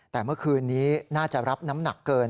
แต่เมื่อคืนนี้น่าจะรับน้ำหนักเกิน